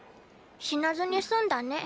死なずに済んだね。